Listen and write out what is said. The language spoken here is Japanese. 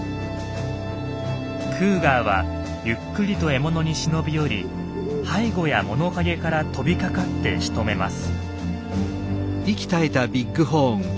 クーガーはゆっくりと獲物に忍び寄り背後や物陰から飛びかかってしとめます。